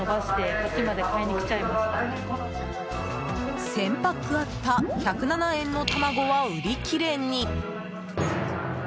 １０００パックあった１０７円の卵は売り切れに。